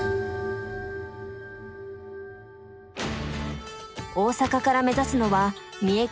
大阪から目指すのは三重県の伊勢神宮。